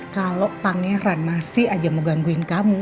kalau pangeran masih aja mau gangguin kamu